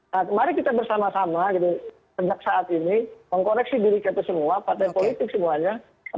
nah mari kita bersama sama gitu sejak saat ini mengkoreksi diri kita semua partai politik semuanya